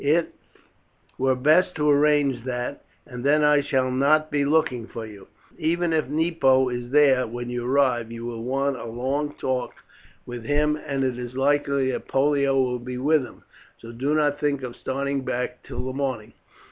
It were best to arrange that, and then I shall not be looking for you. Even if Nepo is there when you arrive, you will want a long talk with him, and it is likely that Pollio will be with him, so do not think of starting back till the morning."